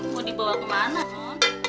mau dibawa kemana non